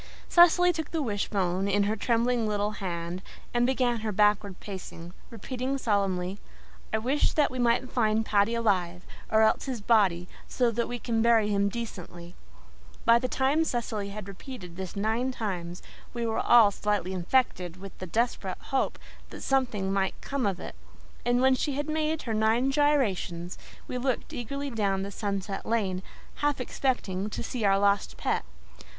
Cecily took the wishbone in her trembling little hands and began her backward pacing, repeating solemnly, "I wish that we may find Paddy alive, or else his body, so that we can bury him decently." By the time Cecily had repeated this nine times we were all slightly infected with the desperate hope that something might come of it; and when she had made her nine gyrations we looked eagerly down the sunset lane, half expecting to see our lost pet.